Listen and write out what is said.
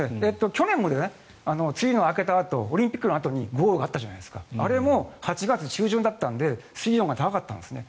去年も梅雨が明けたあとオリンピックのあとに豪雨があったじゃないですかあれも８月中旬だったので水温が高かったんですね。